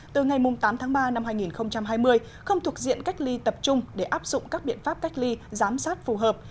từ ngày tám tháng ba năm hai nghìn hai mươi không thuộc diện cách ly tập trung để áp dụng các biện pháp cách ly giám sát phù hợp